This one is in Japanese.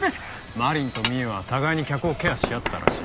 愛鈴と美依は互いに客をケアし合ってたらしい。